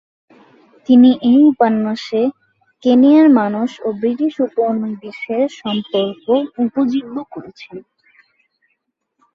তিনি এ উপন্যাসে কেনিয়ার মানুষ ও ব্রিটিশ উপনিবেশের সম্পর্ক উপজীব্য করেছেন।